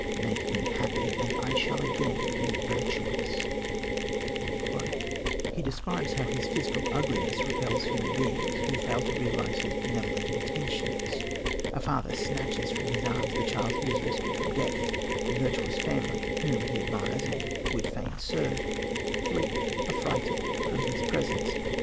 Make me happy, and I shall again be virtuous." He describes how his physical ugliness repels human beings, who fail to realise his benevolent intentions. A father snatches from his arms the child he has rescued from death; the virtuous family, whom he admires and would fain serve, flee affrighted from his presence.